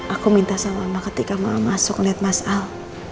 aku minta sama ketika mama masuk lihat mas al